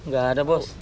gak ada bos